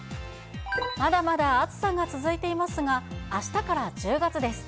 まだまだ暑さが続いていますが、あしたから１０月です。